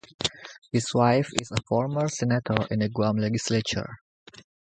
His wife is a former senator in Guam Legislature.